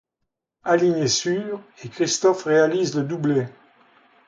Aligné sur et Christophe réalise le doublé.